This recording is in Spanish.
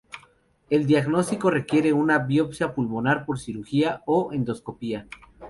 El diagnóstico requiere una biopsia pulmonar por cirugía o endoscopia.